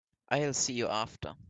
I'll see you after.